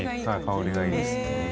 香りがいいですね。